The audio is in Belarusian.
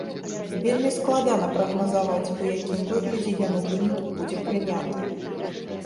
Вельмі складана прагназаваць, у якім выглядзе ён у выніку будзе прыняты.